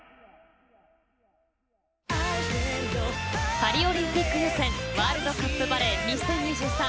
パリオリンピック予選ワールドカップバレー２０２３。